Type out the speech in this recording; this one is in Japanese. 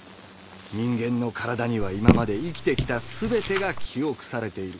人間の体には今まで生きてきた全てが記憶されている。